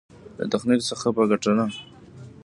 له تخنيک څخه په ګټنه.